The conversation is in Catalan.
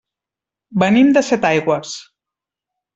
Venim de Setaigües.